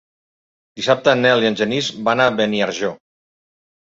Dissabte en Nel i en Genís van a Beniarjó.